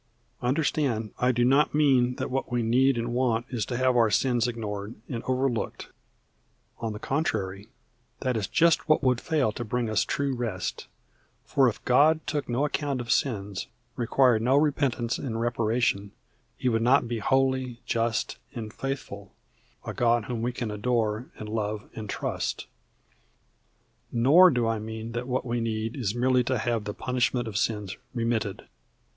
Understand, I do not mean that what we need and want is to have our sins ignored and overlooked. On the contrary, that is just what would fail to bring us true rest. For if God took no account of sins, required no repentance and reparation, He would not be holy, just, and faithful, a God whom we can adore and love and trust. Nor do I mean that what we need is merely to have the punishment of sins remitted.